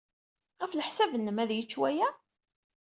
Ɣef leḥsab-nnem, ad yečč waya?